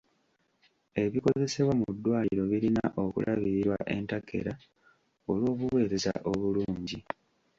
Ebikozesebwa mu ddwaliro birina okulabirirwa entakera olw'obuweereza obulungi.